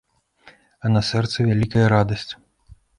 А на сэрцы вялікая радасць.